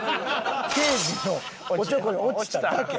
慶次のおちょこに落ちただけ。